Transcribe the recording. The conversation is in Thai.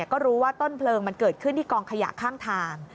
ก็รู้ว่าต้นเพลิงมันเกิดขึ้นที่กองขยะข้างทาง